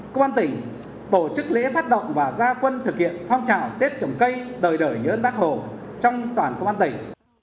công an tỉnh tổ chức lễ phát động và gia quân thực hiện phong trào tết trồng cây đời đời nhớ ơn bác hồ trong toàn công an tỉnh